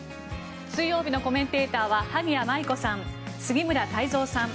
水曜日のコメンテーターは萩谷麻衣子さん、杉村太蔵さん。